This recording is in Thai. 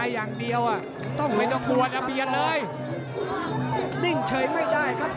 อย่างเดียวอ่ะต้องไม่ต้องกลัวนะเบียนเลยนิ่งเฉยไม่ได้ครับ